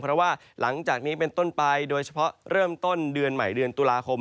เพราะว่าหลังจากนี้เป็นต้นไปโดยเฉพาะเริ่มต้นเดือนใหม่เดือนตุลาคม